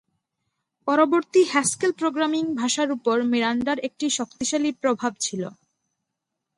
পরবর্তী Haskell programming ভাষার উপর মিরান্ডার একটি শক্তিশালী প্রভাব ছিল।